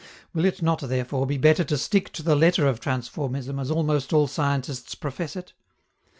Will it not, therefore, be better to stick to the letter of transformism as almost all scientists profess it?